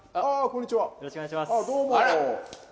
よろしくお願いします